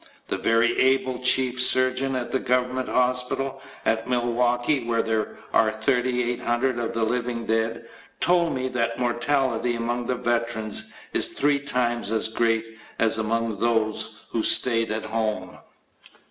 The very able chief surgeon at the government hospital; at Milwaukee, where there are 3,800 of the living dead, told me that mortality among veterans is three times as great as among those who stayed at home.